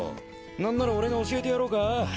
何なら俺が教えてやろうか。